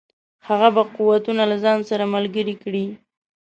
هغه به قوتونه له ځان سره ملګري کړي.